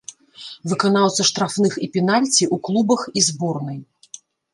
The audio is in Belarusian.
Выканаўца штрафных і пенальці ў клубах і зборнай.